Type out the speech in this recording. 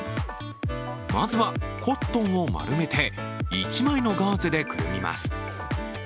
まずはコットンを丸めて１枚のガーゼでくるみます。